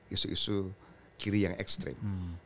isu isu kiri yang ekstrim